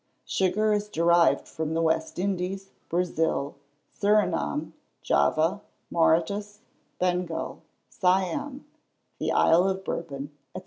Sugar is derived from the West Indies, Brazil, Surinam, Java, Mauritius, Bengal, Siam, the Isle de Bourbon, &c.